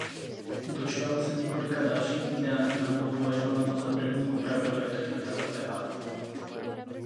Dočkalo se několika dalších vydání a bylo považováno za první opravdové death metalové album.